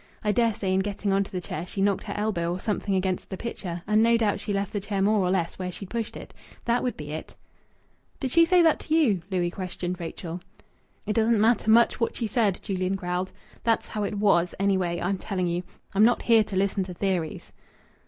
I dare say in getting on to the chair she knocked her elbow or something against the picture, and no doubt she left the chair more or less where she'd pushed it. That would be it." "Did she say that to you?" Louis questioned Rachel. "It doesn't matter much what she said," Julian growled. "That's how it was, anyway. I'm telling you. I'm not here to listen to theories."